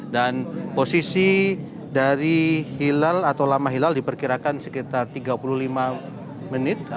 dan posisi dari hilal atau lama hilal diperkirakan sekitar tiga puluh lima menit